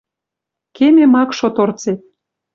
Кемем ак шо торцет